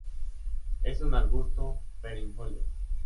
Es un arbusto perennifolio.